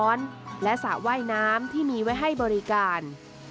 สันไม้เมืองร้อนและสระว่ายน้ำที่มีไว้ให้บริการ